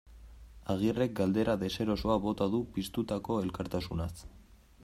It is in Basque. Agirrek galdera deserosoa bota du piztutako elkartasunaz.